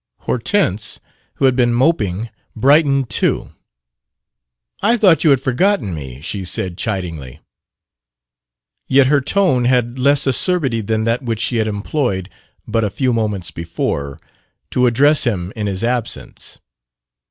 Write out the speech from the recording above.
Hortense, who had been moping, brightened too. "I thought you had forgotten me," she said chidingly. Yet her tone had less acerbity than that which she had employed, but a few moments before, to address him in his absence.